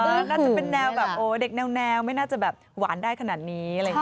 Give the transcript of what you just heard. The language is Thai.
น่าจะเป็นแนวแบบโอ้เด็กแนวไม่น่าจะแบบหวานได้ขนาดนี้อะไรอย่างนี้